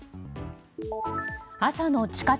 朝の地下鉄